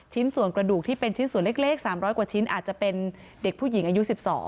ส่วนกระดูกที่เป็นชิ้นส่วนเล็ก๓๐๐กว่าชิ้นอาจจะเป็นเด็กผู้หญิงอายุ๑๒